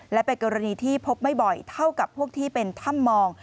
และเป็นกรณีที่พบไม่บ่อยเท่ากับพวกที่เป็นถ้ำมอง